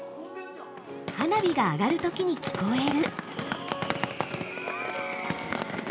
◆花火が上がるときに聞こえる